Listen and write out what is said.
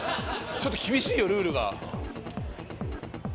ちょっと厳しいよルールが。